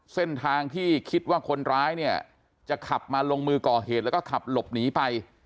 เส้นทางที่คิดว่าคนร้ายเนี่ยจะขับมาลงมือก่อเหตุแล้วก็ขับหลบหนีไป